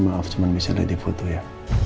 maaf cuma bisa udah di foto ya